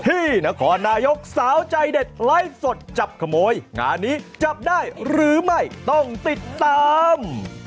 ที่นครนายกสาวใจเด็ดไลฟ์สดจับขโมยงานนี้จับได้หรือไม่ต้องติดตาม